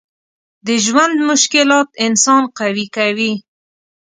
د ژوند مشکلات انسان قوي کوي.